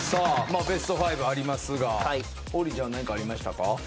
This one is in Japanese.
ベスト５ありますが王林ちゃん何かありましたか？